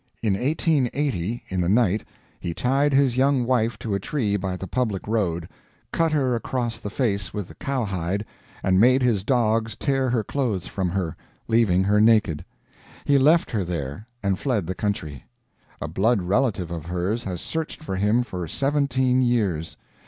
In 1880, in the night, he tied his young wife to a tree by the public road, cut her across the face with a cowhide, and made his dogs tear her clothes from her, leaving her naked. He left her there, and fled the country. A blood relative of hers has searched for him for seventeen years.